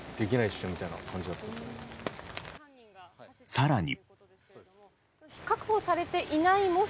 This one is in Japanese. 更に。